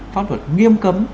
pháp luật nghiêm cấm